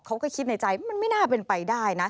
เขาก็คิดในใจมันไม่น่าเป็นไปได้นะ